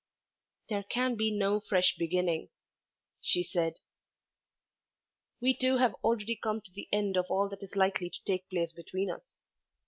"There can be no fresh beginning," she said. "We two have already come to the end of all that is likely to take place between us.